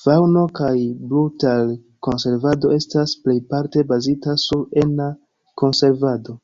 Faŭno- kaj brutar-konservado estas plejparte bazita sur ena konservado.